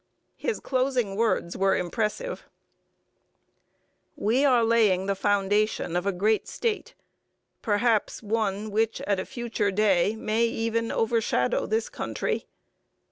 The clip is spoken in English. His closing words were impressive: We are laying the foundation of a great State perhaps one which at a future day may even overshadow this country.